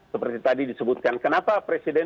seperti tadi disebutkan kenapa presiden